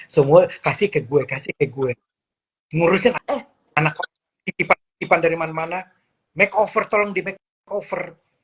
semua kasih ke gue kasih gue ngurusin anak anak tipan dari mana mana makeover tolong dimakai over